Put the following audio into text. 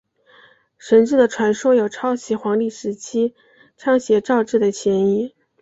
神志的传说有抄袭黄帝时期仓颉造字的嫌疑。